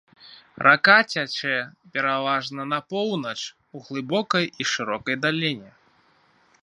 Рака цячэ пераважна на поўнач у глыбокай і шырокай даліне.